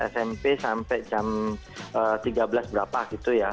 smp sampai jam tiga belas berapa gitu ya